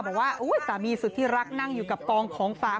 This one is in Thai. บอกว่าสามีสุดที่รักนั่งอยู่กับกองของฝาก